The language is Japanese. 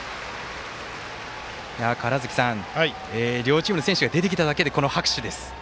川原崎さん、両チームの選手が出てきただけでこの拍手です。